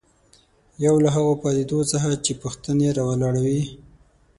یو له هغو پدیدو څخه چې پوښتنې راولاړوي.